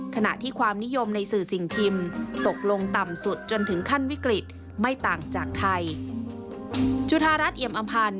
ขณะที่ความนิยมในสื่อสิ่งพิมพ์ตกลงต่ำสุดจนถึงขั้นวิกฤตไม่ต่างจากไทย